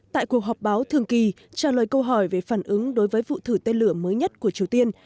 tại cuộc họp báo thường kỳ trả lời câu hỏi về phản ứng đối với vụ thử tên lửa mới nhất của triều tiên